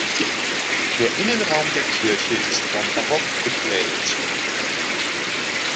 Der Innenraum der Kirche ist vom Barock geprägt.